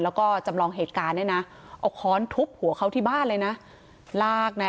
แล้วก็จำลองเหตุการณ์เนี่ยนะเอาค้อนทุบหัวเขาที่บ้านเลยนะลากนะ